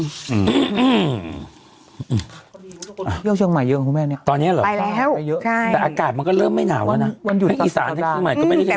เที่ยวเชียงของใหม่เยอะเหรอคุณแม่เนี้ยตอนนี้หรอไปแล้วไปเยอะใช่แต่อากาศมันก็เริ่มไม่หนาวแล้วนะ